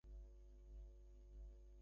আমার প্রায়ই এমন হয়।